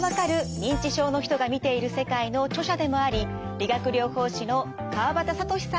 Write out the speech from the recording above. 認知症の人が見ている世界」の著者でもあり理学療法士の川畑智さんに伺います。